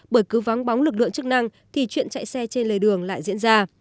bởi cứ vắng bóng lực lượng chức năng thì chuyện chạy xe trên lề đường lại diễn ra